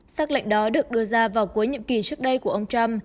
xác lệnh đó được đưa ra vào cuối nhiệm kỳ trước đây của ông trump